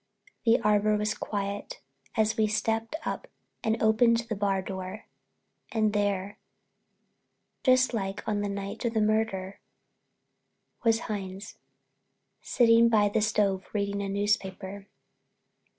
The Arbor was quiet as we stepped up and opened the bar door, and there, just like on the night of the murder, was Hines, sitting by the stove reading a newspaper.